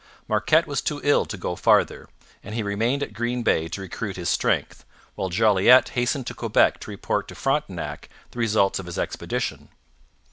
Marquette was too ill to go farther; and he remained at Green Bay to recruit his strength, while Jolliet hastened to Quebec to report to Frontenac the results of his expedition.